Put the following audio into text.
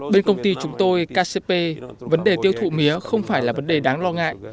bên công ty chúng tôi kcp vấn đề tiêu thụ mía không phải là vấn đề đáng lo ngại